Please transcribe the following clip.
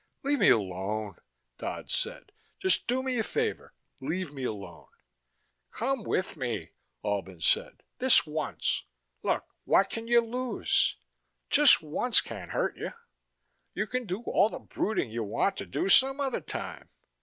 "Leave me alone," Dodd said. "Just do me a favor. Leave me alone." "Come with me," Albin said. "This once. Look what can you lose? Just once can't hurt you you can do all the brooding you want to do some other time.